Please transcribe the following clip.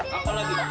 kalung pak ini juga